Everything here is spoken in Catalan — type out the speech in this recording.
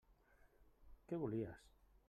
Què volies?